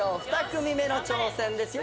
２組目の挑戦です。